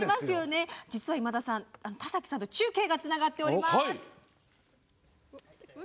実は今田さん、田崎さんと中継がつながっております。